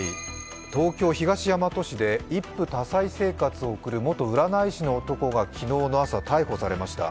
東京・東大和市で一夫多妻生活を送る元占い師の男が昨日の朝、逮捕されました。